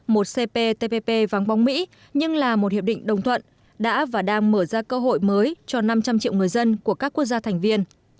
một cptpp vắng bóng mỹ nhưng là một hiệp định đồng thuận đã và đang mở ra cơ hội mới cho năm trăm linh triệu người dân của các quốc gia thành viên